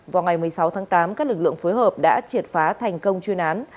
vào ngày một mươi sáu tháng tám các lực lượng phối hợp đã triệt phá thành công chuyên án